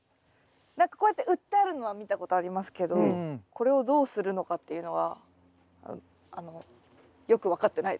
何かこうやって売ってあるのは見たことありますけどこれをどうするのかっていうのはあのよく分かってないです。